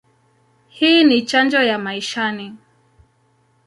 Hii ni chanjo ya maishani.